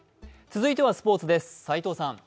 続いてはスポーツです。